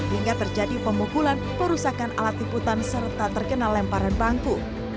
hingga terjadi pemukulan perusahaan alat tiputan serta terkena lemparan bangku